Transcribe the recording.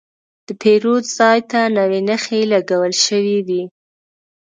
د پیرود ځای ته نوې نښې لګول شوې وې.